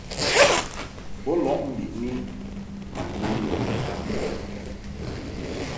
Bo lɔʼ mbiʼni ma naŋ lɔʼ ni mbaʼmbaʼ.